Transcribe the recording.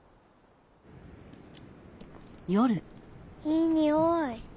いいにおい。